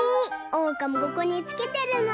おうかもここにつけてるの！